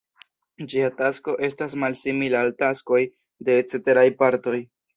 Ĝia tasko estas malsimila al taskoj de ceteraj partoj.